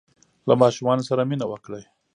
له ماشومانو سره مینه وکړئ.